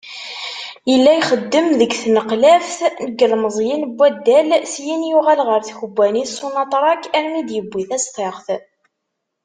Yella ixeddem deg tnqlaft n yilmeẓyen d waddal, syin yuɣal ɣer tkebbanit Sonatrach armi i d-yewwi tastaɣt.